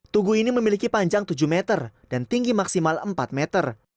tugu ini memiliki panjang tujuh meter dan tinggi maksimal empat meter